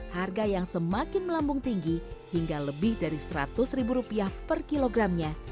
harga yang semakin melambung tinggi hingga lebih dari seratus ribu rupiah per kilogramnya